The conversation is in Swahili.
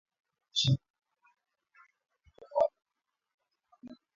Shingo ya mnyama kupinda upande ni dalili za ugonjwa huu